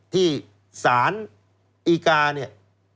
ที่สารดีกาเนี่ย